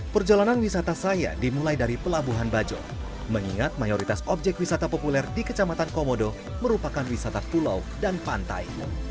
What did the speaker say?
perjalanan wisata saya dimulai dari pelabuhan bajo mengingat mayoritas objek wisata populer di kecamatan komodo merupakan wisata pulau dan pantai